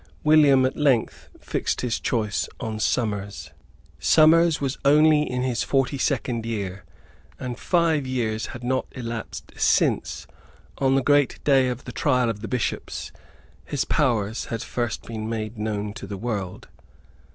William at length fixed his choice on Somers. Somers was only in his forty second year; and five years had not elapsed since, on the great day of the trial of the Bishops, his powers had first been made known to the world.